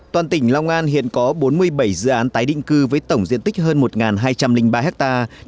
toàn tỉnh long an hiện có bốn mươi bảy dự án tái định cư với tổng diện tích hơn một hai trăm linh ba hectare